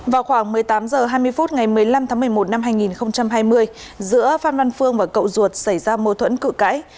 vào khoảng một mươi tám h hai mươi phút ngày một mươi năm tháng một mươi một năm hai nghìn hai mươi giữa phan văn phương và cậu ruột xảy ra mâu thuẫn cự cãi